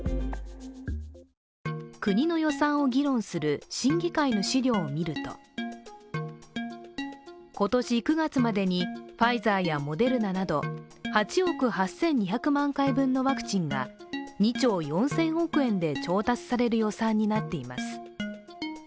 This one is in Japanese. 国の予算を議論する審議会の資料を見ると今年９月までに、ファイザーやモデルナなど８億８２００万円分のワクチンが２兆４０００億円で調達される予算になっています。